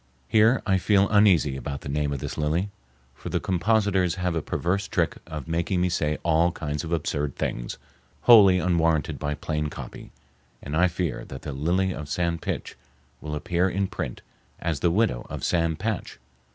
Here I feel uneasy about the name of this lily, for the compositors have a perverse trick of making me say all kinds of absurd things wholly unwarranted by plain copy, and I fear that the "Lily of San Pitch" will appear in print as the widow of Sam Patch.